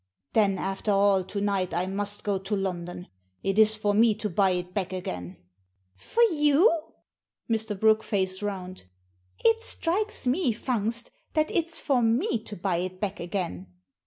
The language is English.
"Then, after all, to night I must go to London. It is for me to buy it back again." "For you?" Mr. Brooke faced round. "It strikes me, Fungst, that it's for me to buy it back again."